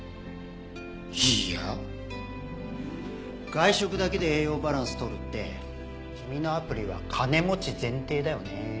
外食だけで栄養バランス取るって君のアプリは金持ち前提だよね。